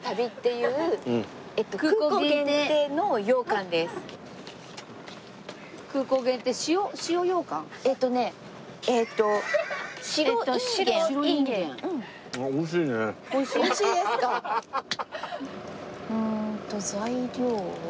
うんと材料は。